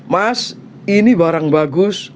mas ini barang bagus